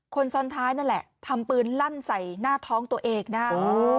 คนซ้อนท้ายนั่นแหละทำปืนลั่นใส่หน้าท้องตัวเองนะฮะ